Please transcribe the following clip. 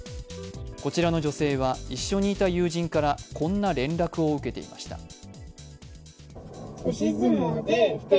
こちらの女性は一緒にいた友人からこんな連絡を受けていました。